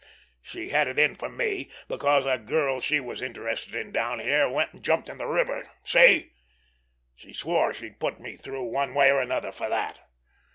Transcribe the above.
She had it in for me because a girl she was interested in down here went and jumped in the river. See? She swore she'd put me through one way or another for that.